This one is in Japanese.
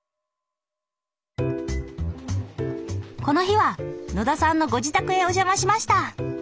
この日は野田さんのご自宅へお邪魔しました。